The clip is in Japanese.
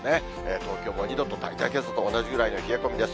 東京も２度と、大体けさと同じぐらいの冷え込みです。